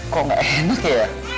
kok enggak enak ya